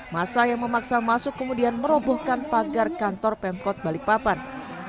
masa yang memaksa masuk kemudian merobohkan pagar kantor pemkot balikpapan